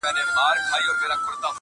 لوبي له لمبو سره بل خوند لري-